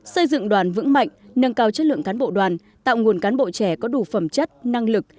xây dựng đoàn vững mạnh nâng cao chất lượng cán bộ đoàn tạo nguồn cán bộ trẻ có đủ phẩm chất năng lực